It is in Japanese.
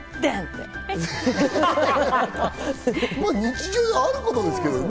日常であることですけどね。